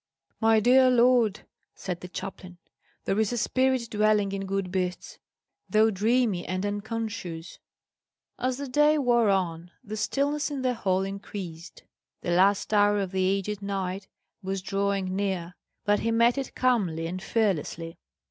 "My dear lord," said the chaplain, "there is a spirit dwelling in good beasts, though dreamy and unconscious." As the day wore on, the stillness in the hall increased. The last hour of the aged knight was drawing near, but he met it calmly and fearlessly.